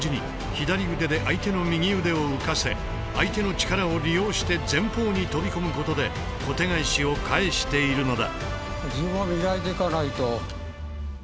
左腕で相手の右腕を浮かせ相手の力を利用して前方に飛び込むことで小手返しを返しているのだ。